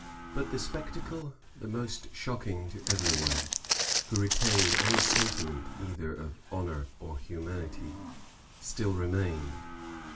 But the spectacle the most shocking to every one, who retained any sentiment either of honor or humanity, still remained.